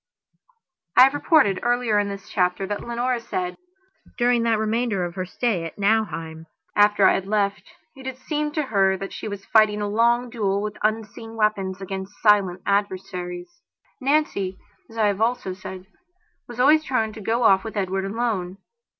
. I have reported, earlier in this chapter, that Leonora said, during that remainder of their stay at Nauheim, after I had left, it had seemed to her that she was fighting a long duel with unseen weapons against silent adversaries. Nancy, as I have also said, was always trying to go off with Edward alone.